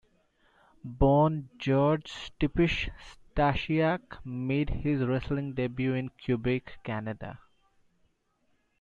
Born George Stipich, Stasiak made his wrestling debut in Quebec, Canada.